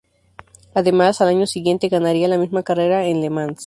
Además al año siguiente ganaría la misma carrera en Le Mans.